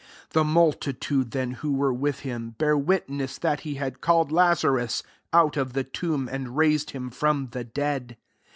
17 The multitude then who were with him, bare witness that he had called Lazarus out of the tomli^ and raised him from the dead.